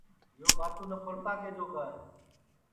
یو بھاتو نپھرتا کے جوگا ہے